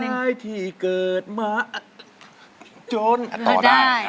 เสียดายที่เกิดมาโจรต่อได้